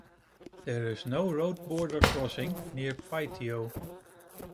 There is no road border crossing near Pythio.